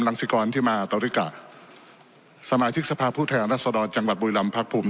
หลังที่มาตระวิกะสมาธิสภาพผู้แทนรัษดรจังหวัดบุยรำภาคภูมิ